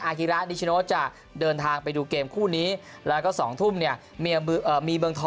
ฮิระนิชโนจะเดินทางไปดูเกมคู่นี้แล้วก็๒ทุ่มเนี่ยมีเมืองทอง